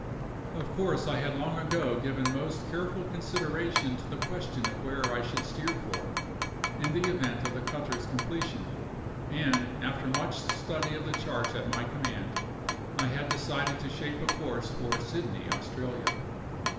Of course I had long ago given most careful consideration to the question of where I should steer for, in the event of the cutter's completion, and after much study of the charts at my command I had decided to shape a course for Sydney, Australia.